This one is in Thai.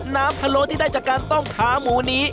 พะโลที่ได้จากการต้มขาหมูนี้